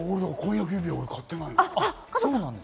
婚約指輪、俺買ってないな。